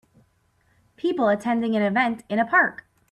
People attending an event in a park.